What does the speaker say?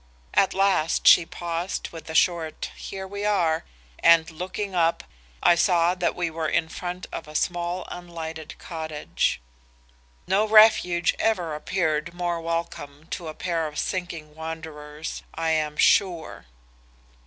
At last she paused with a short 'Here we are;' and looking up, I saw that we were in front of a small unlighted cottage. "No refuge ever appeared more welcome to a pair of sinking wanderers I am sure.